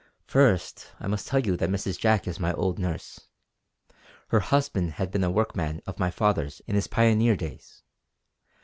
First I must tell you that Mrs. Jack is my old nurse. Her husband had been a workman of my father's in his pioneer days.